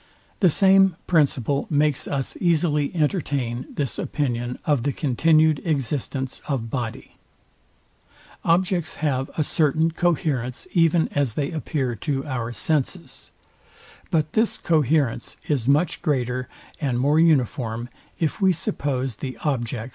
The same principle makes us easily entertain this opinion of the continued existence of body. Objects have a certain coherence even as they appear to our senses; but this coherence is much greater and more uniform, if we suppose the object.